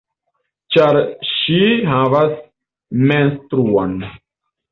Ĉar ŝi havas mens-truon.